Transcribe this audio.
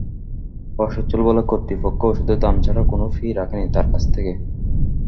অসচ্ছল বলে কর্তৃপক্ষ ওষুধের দাম ছাড়া কোনো ফি রাখেনি তাঁর কাছ থেকে।